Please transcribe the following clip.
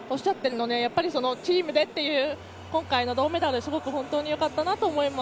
だから、チームでという今回の銅メダル本当によかったなと思います。